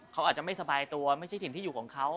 เขาอาจจะไม่สบายตัวไม่ใช่ถิ่นที่อยู่ของเขา